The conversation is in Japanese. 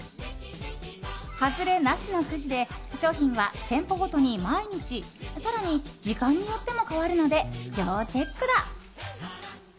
外れなしのくじで賞品は店舗ごとに毎日更に時間によっても変わるので要チェックだ。